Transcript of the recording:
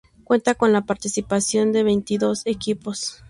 Cuenta con la participación de veintidós equipos.